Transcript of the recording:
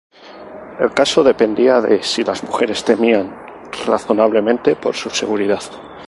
El caso dependía de si las mujeres temían razonablemente por su seguridad.